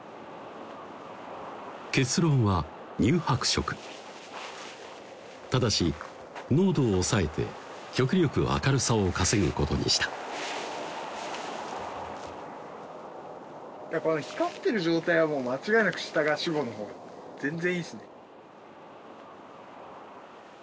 結論は乳白色ただし濃度を抑えて極力明るさを稼ぐことにしたいやこの光ってる状態はもう間違いなく下が白のほう全然いいっすね